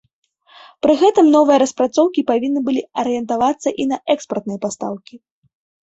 Пры гэтым новыя распрацоўкі павінны былі арыентавацца і на экспартныя пастаўкі.